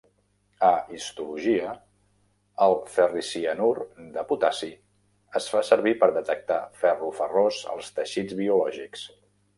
A histologia, el ferricianur de potassi es fa servir per detectar ferro ferrós als teixits biològics.